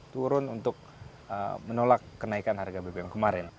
turun untuk menolak kenaikan harga bbm kemarin